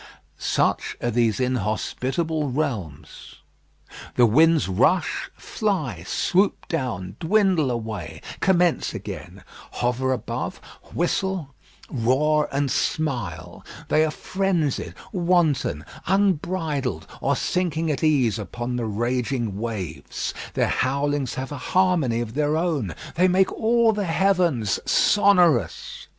Such are these inhospitable realms. The winds rush, fly, swoop down, dwindle away, commence again; hover above, whistle, roar, and smile; they are frenzied, wanton, unbridled, or sinking at ease upon the raging waves. Their howlings have a harmony of their own. They make all the heavens sonorous.